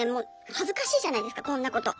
恥ずかしいじゃないですかこんなこと。